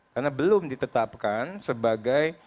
karena belum ditetapkan sebagai